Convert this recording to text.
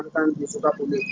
dimakamkan di sukabumi